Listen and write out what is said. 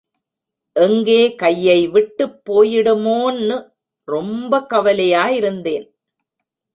எங்கே கையை விட்டுப் போயிடுமோன்னு ரொம்ப கவலையா இருந்தேன்.